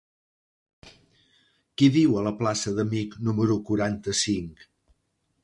Qui viu a la plaça d'Amich número quaranta-cinc?